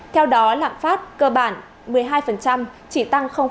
theo đó lạng phát cơ bản một mươi hai chỉ tăng tám mươi một